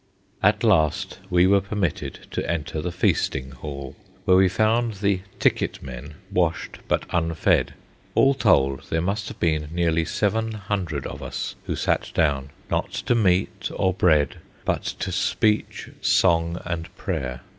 At last we were permitted to enter the feasting hall, where we found the "ticket men" washed but unfed. All told, there must have been nearly seven hundred of us who sat down—not to meat or bread, but to speech, song, and prayer.